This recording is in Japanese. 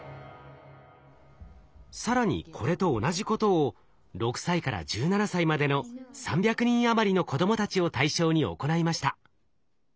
更にこれと同じことを６歳から１７歳までの３００人余りの子供たちを対象に行いました。